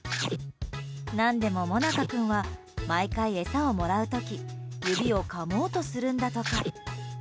何でも、もなか君は毎回、餌をもらう時指をかもうとするんだとか。